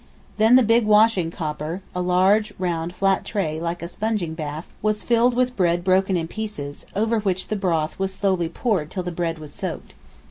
Then the big washing copper (a large round flat tray, like a sponging bath) was filled with bread broken in pieces, over which the broth was slowly poured till the bread was soaked.